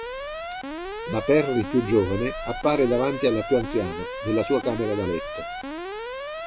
La Perry più giovane appare davanti alla più anziana nella sua camera da letto.